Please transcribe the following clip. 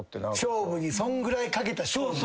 勝負にそんぐらい懸けた。